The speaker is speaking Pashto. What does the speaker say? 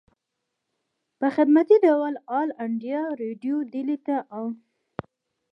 پۀ خدمتي ډول آل انډيا ريډيو ډيلي ته اوليږلی شو